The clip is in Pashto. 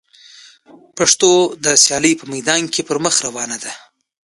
پښتو د سیالۍ په میدان کي پر مخ روانه ده.